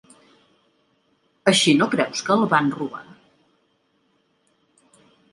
Així no creus que el van robar?